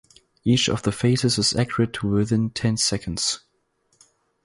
Each of the faces is accurate to within ten seconds.